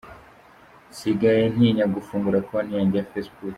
Nsigaye ntinya gufungura konti yanjye ya Facebook”.